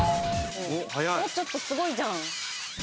ちょっとすごいじゃん。